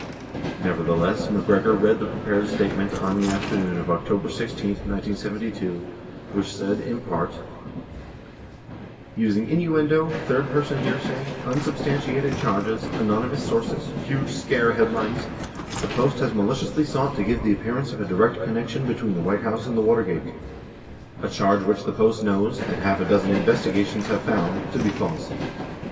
88 Nevertheless, MacGregor read the prepared statement on the after noon of October 16, 1972, which said, in part : Using innuendo, third person hearsay, unsubstantiated charges, anonymous sources, huge scare headlines — the Post has maliciously sought to give the appearance of a direct connection between the White House and the Watergate — a charge which the Post knows — and half a dozen investiga tions have found — to be false.